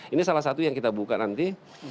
ini salah satu yang kita buka nanti